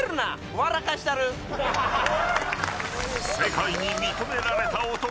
世界に認められた男